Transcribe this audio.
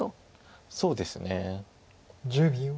そうですね。